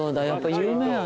有名やん。